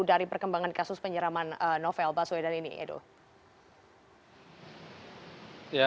dari perkembangan kasus penyeraman novel baswedan ini edo